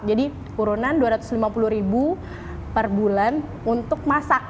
jadi urunan dua ratus lima puluh ribu per bulan untuk masak